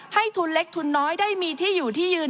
ให้ทุนเล็กทุนน้อยได้มีที่อยู่ที่ยืน